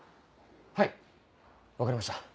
はい分かりました